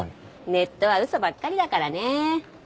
ネットは嘘ばっかりだからね。